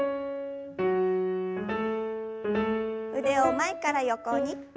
腕を前から横に。